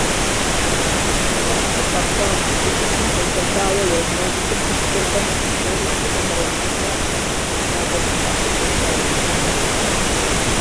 ЩӀэщхъур къэхъуащ хы Ӏуфэм къекӀуэлӀауэ яунэщӀ кхъухьышхуэхэм арыххэу къызэрехьэжьа толъкъун абрагъуэхэр къащыкӀэщӀэуэм.